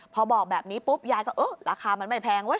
พอบอกแบบนี้ปุ๊บยายก็เออราคามันไม่แพงเว้